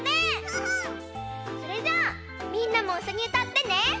それじゃあみんなもいっしょにうたってね！